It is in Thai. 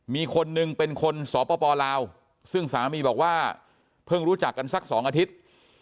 มีคนนึงเป็นคนสปลาวซึ่งสามีบอกว่าเพิ่งรู้จักกันสัก๒อาทิตย์